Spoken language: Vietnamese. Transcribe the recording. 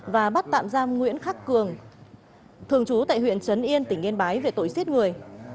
và bắt tạm giam nguyễn khắc cường thường trú tại huyện trấn yên tỉnh yên bái về tội giết người